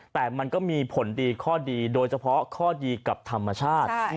แต่มันก็มีผลดีข้อดีโดยเฉพาะข้อดีกับธรรมชาติ